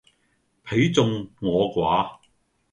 彼眾我寡